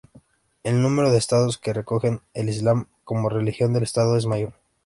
El número de Estados que recogen el Islam como religión del Estado es mayor.